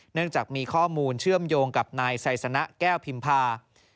เนื่องจากมีข้อมูลเชื่อมโยงกับนายไซสนะแก้วพิมพา